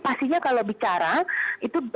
pastinya kalau bicara itu